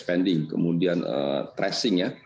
spending kemudian tracing ya